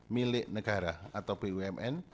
milik negara atau bumn